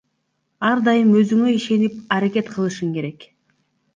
Ар дайым өзүңө ишенип аракет кылышың керек.